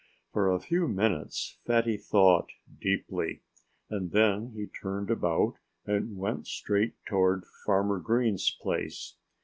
For a few minutes Fatty thought deeply. And then he turned about and went straight toward Farmer Green's place.